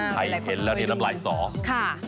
ใครเห็นแล้วเนี่ยลำไหล่สะ